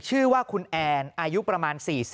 ชื่อว่าคุณแอนอายุประมาณ๔๐